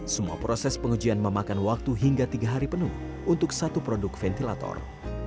semua proses pengujian memakan waktu hingga tiga hari penuh untuk satu produk ventilator